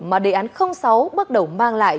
mà đề án sáu bắt đầu mang lại